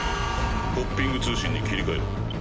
ポッピング通信に切り替えろ。